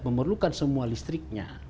memerlukan semua listriknya